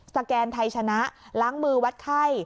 แกนไทยชนะล้างมือวัดไข้